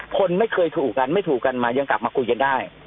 คนไม่เคยถูกกันไม่ถูกกันมายังกลับมาคุยกันได้